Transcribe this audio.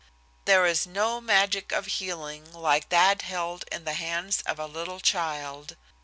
There is no magic of healing like that held in the hands of a little child.